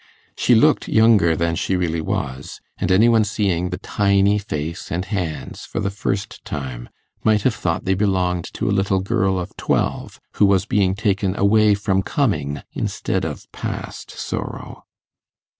She looked younger than she really was, and any one seeing the tiny face and hands for the first time might have thought they belonged to a little girl of twelve, who was being taken away from coming instead of past sorrow.